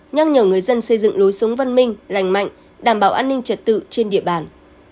nhắc nhở người dân xây dựng lối sống văn minh lành mạnh đảm bảo an ninh trật tự trên địa bàn